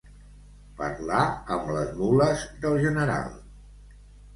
Parlar amb les mules del general.